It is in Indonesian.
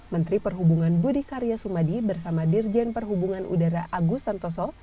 menteri perhubungan budi karya sumadi bersama dirjen perhubungan udara agus santoso